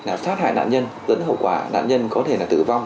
là sát hại nạn nhân dẫn đến hậu quả nạn nhân có thể là tử vong